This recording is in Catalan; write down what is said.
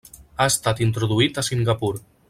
Ha estat introduït a Singapur.